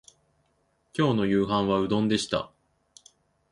今日の夕飯はうどんでした